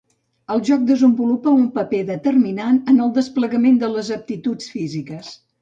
El joc desenvolupa un paper determinant en el desplegament de les aptituds físiques.